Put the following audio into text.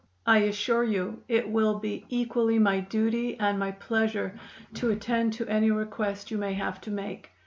I assure you it will be equally my duty and my pleasure to attend to any request you may have to make.